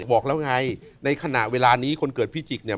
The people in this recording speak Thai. บอกแล้วไงในขณะเวลานี้คนเกิดพิจิกเนี่ย